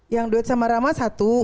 yang duit sama rama satu